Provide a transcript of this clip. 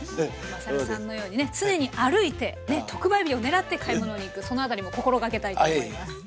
まさるさんのようにね常に歩いてね特売日を狙って買い物に行くその辺りも心掛けたいと思います。